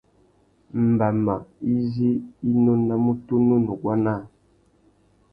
Mbama izí i nônamú tunu nuguá naā.